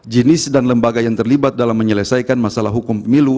jenis dan lembaga yang terlibat dalam menyelesaikan masalah hukum pemilu